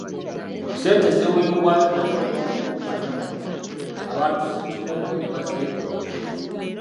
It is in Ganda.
Ssente ziweebwayo naye olw’obukumpanya buno, abantu ssekinnoomu ne bazeekomya.